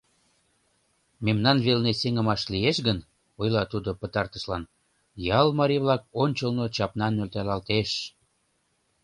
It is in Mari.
— Мемнан велне сеҥымаш лиеш гын, — ойла тудо пытартышлан, — ял марий-влак ончылно чапна нӧлталтеш.